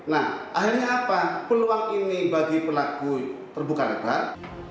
nah akhirnya apa peluang ini bagi pelaku terbuka lebar